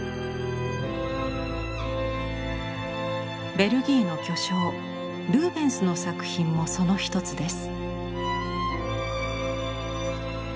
ベルギーの巨匠ルーベンスの作品もその一つです。